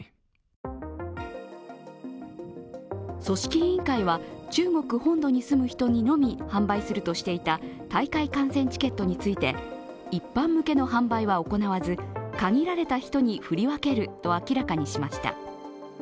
組織委員会は中国本土に住む人にのみ販売するとしていた大会観戦チケットについて一般向けの販売は行なわず限られた人に振り分けると明らかにしました。